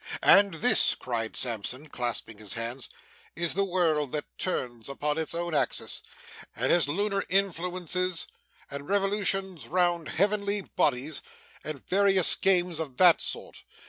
'And this,' cried Sampson, clasping his hands, 'is the world that turns upon its own axis, and has Lunar influences, and revolutions round Heavenly Bodies, and various games of that sort!